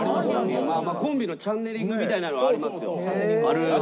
コンビのチャネリングみたいなのはありますよ。